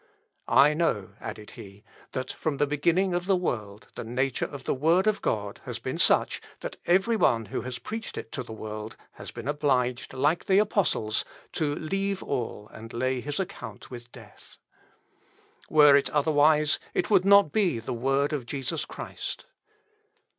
I know," added he, "that from the beginning of the world the nature of the word of God has been such, that every one who has preached it to the world, has been obliged, like the apostles, to leave all and lay his account with death. Were it otherwise, it would not be the word of Jesus Christ."